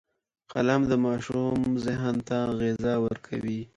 قلم د ماشوم ذهن ته غذا ورکوي